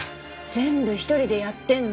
全部一人でやってんの。